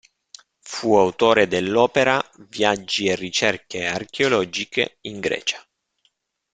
Fu autore dell'opera "Viaggi e ricerche archeologiche in Grecia".